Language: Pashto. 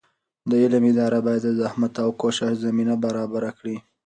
د علم اداره باید د زحمت او کوشش زمینه برابره کړي.